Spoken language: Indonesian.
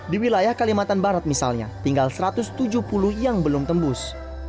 di wilayah kalimantan barat misalnya tinggal satu ratus tujuh puluh yang belum tembus